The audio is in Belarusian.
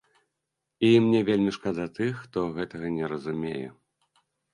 І мне вельмі шкада тых, хто гэтага не разумее!